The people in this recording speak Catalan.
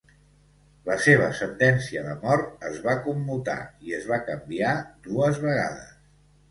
La seva sentència de mort es va commutar i es va canviar dues vegades.